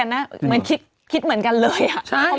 มันก็ลองไม่ได้คิดคนเดียวก็พอ